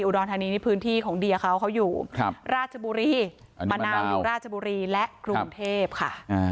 รธานีนี่พื้นที่ของเดียเขาเขาอยู่ราชบุรีมะนาวอยู่ราชบุรีและกรุงเทพค่ะ